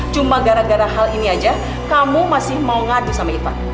cuma gara gara hal ini aja kamu masih mau ngadu sama ipa